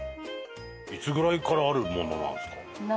いつぐらいからあるものなんですか？